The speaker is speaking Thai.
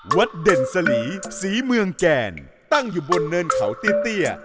เด่นสลีศรีเมืองแก่นตั้งอยู่บนเนินเขาเตี้ย